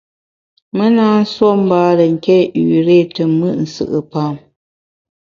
Me na nsuo mbare nké üré te mùt nsù’pam.